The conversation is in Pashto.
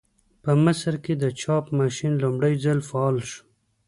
په مصر کې د چاپ ماشین لومړي ځل فعال شو.